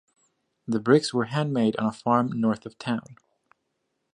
The bricks were handmade on a farm north of town.